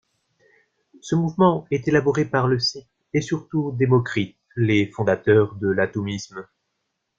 Ce mouvement est élaboré par Leucippe et surtout Démocrite, les fondateurs de l'atomisme.